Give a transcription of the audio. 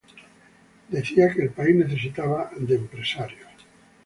Él decía que el país necesitaba de empresarios.